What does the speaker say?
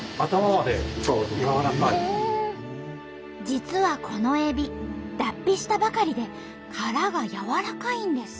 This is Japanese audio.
実はこのえび脱皮したばかりで殻がやわらかいんです。